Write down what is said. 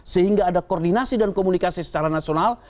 sehingga ada koordinasi dan komunikasi secara nasional